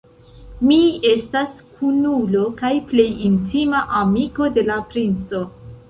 Mi estas kunulo kaj plej intima amiko de la princo.